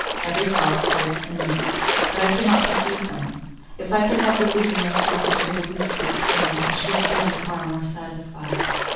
Every house had its inmate; but I could not perceive them. If I could have deluded myself into a belief of this kind, I should have been far more satisfied.